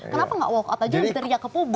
kenapa nggak walk out aja yang diteriak ke publik